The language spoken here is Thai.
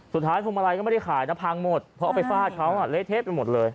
พวงมาลัยก็ไม่ได้ขายนะพังหมดเพราะเอาไปฟาดเขาเละเทะไปหมดเลย